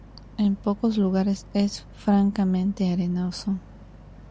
En pocos lugares es francamente arenoso.